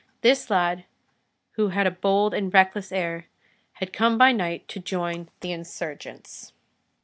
This lad, who had a bold and reckless air, had come by night to join the insurgents.